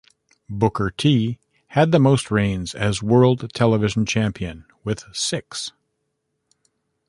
Booker T had the most reigns as World Television Champion, with six.